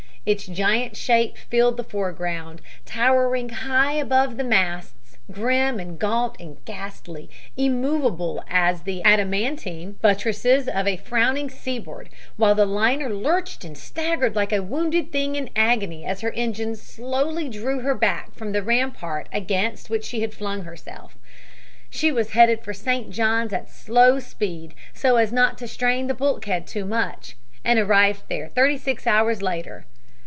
Its giant shape filled the foreground, towering high above the masts, grim and gaunt and ghastly, immovable as the adamantine buttresses of a frowning seaboard, while the liner lurched and staggered like a wounded thing in agony as her engines slowly drew her back from the rampart against which she had flung herself. She was headed for St. John's at slow speed, so as not to strain the bulkhead too much, and arrived there thirty six hours later.